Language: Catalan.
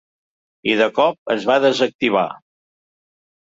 I de cop es va desactivar.